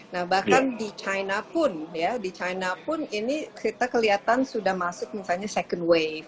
nah bahkan di china pun ya di china pun ini kita kelihatan sudah masuk misalnya second wave